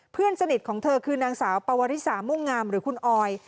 เพื่อนสนิทของเธอคือนางสาวปวริสามุ่งงามหรือคุณออย